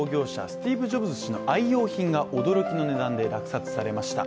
スティーブ・ジョブズ氏の愛用品が驚きの値段で落札されました。